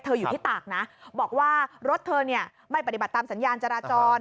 อยู่ที่ตากนะบอกว่ารถเธอเนี่ยไม่ปฏิบัติตามสัญญาณจราจร